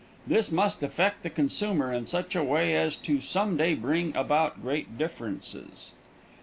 This must affect the consumer in such a way as to some day bring about great differences.